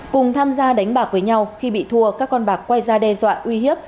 cùng tham gia đánh bạc với nhau khi bị thua các con bạc quay ra đe dọa uy hiếp